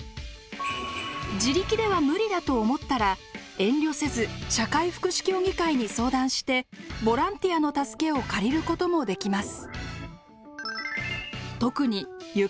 自力では無理だと思ったら遠慮せず社会福祉協議会に相談してボランティアの助けを借りることもできます。